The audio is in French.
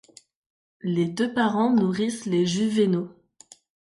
Les deux parents nourrissent les juvénaux.